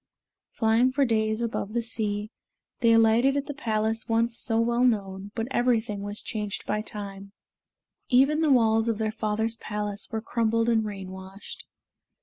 Flying for days above the sea, they alighted at the palace once so well known, but everything was changed by time even the walls of their father's palace were crumbled and rain washed.